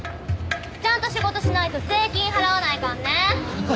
ちゃんと仕事しないと税金払わないかんね！